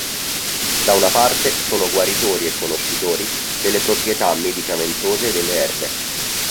Da una parte, sono guaritori e conoscitori delle proprietà medicamentose delle erbe.